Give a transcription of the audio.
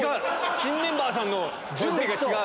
新メンバーさんの準備が違う。